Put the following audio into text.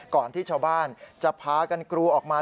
ก่อนที่ชาวบ้านจะพากันกรูออกมา